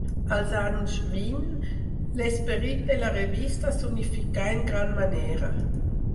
Als anys vint, l'esperit de la revista s'unificà en gran manera.